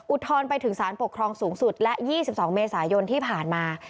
ทนไปถึงสารปกครองสูงสุดและ๒๒เมษายนที่ผ่านมา